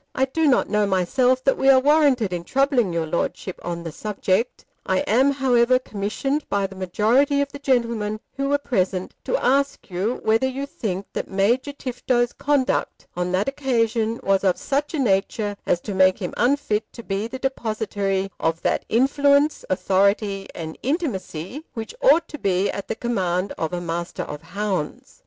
I do not know myself that we are warranted in troubling your Lordship on the subject. I am, however, commissioned by the majority of the gentlemen who were present to ask you whether you think that Major Tifto's conduct on that occasion was of such a nature as to make him unfit to be the depositary of that influence, authority, and intimacy which ought to be at the command of a Master of Hounds.